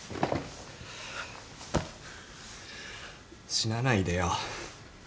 死なないでよ。